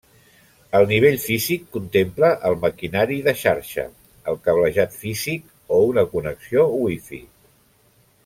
El nivell físic contempla el maquinari de xarxa, el cablejat físic o una connexió Wi-Fi.